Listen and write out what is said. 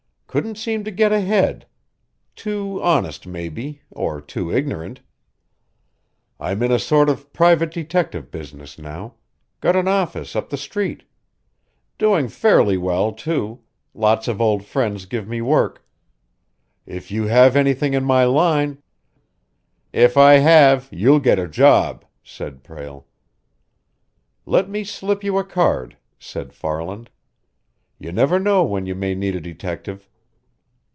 "Couldn't seem to get ahead. Too honest, maybe or too ignorant. I'm in a sort of private detective business now got an office up the street. Doing fairly well, too lots of old friends give me work. If you have anything in my line " "If I have, you'll get a job," said Prale. "Let me slip you a card," said Farland. "You never know when you may need a detective.